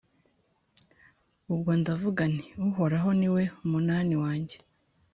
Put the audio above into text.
Ubwo ndavuga nti «Uhoraho ni we munani wanjye,